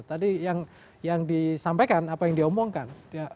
tadi yang disampaikan apa yang diomongkan